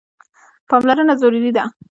پاملرنه ضروري ده.